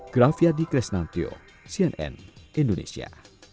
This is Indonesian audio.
grafiyadikresnantio cnn indonesia